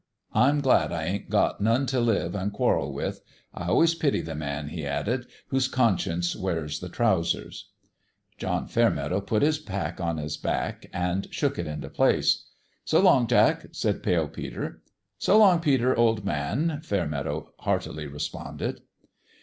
I'm glad / ain't got none t' live an* quarrel with. I always pity the man," he added, " whose conscience wears the trousers." John Fairmeadow put his pack on his back and shook it into place. What HAPPENED to TOM HITCH 223 " So long, Jack 1 " said Pale Peter. " So long, Peter, old man !" Fairmeadow heartily responded.